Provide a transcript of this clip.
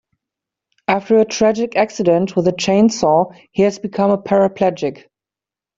After a tragic accident with a chainsaw he has become a paraplegic.